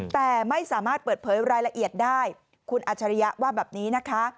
แต่ไม่สามารถเปิดเผยรายละเอียดได้คุณอัจฉริยะว่าแบบนี้นะคะ